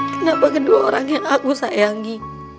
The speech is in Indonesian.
kenapa kedua orang yang aku sayangi